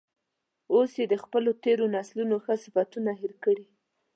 اوس یې د خپلو تیرو نسلونو ښه صفتونه هیر کړي.